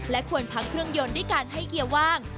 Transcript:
ควรพักเครื่องยนต์ด้วยการให้เกียร์ว่าง